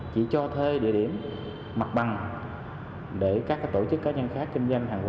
chỉ cho thuê địa điểm mặt bằng để các tổ chức cá nhân khác kinh doanh hàng hóa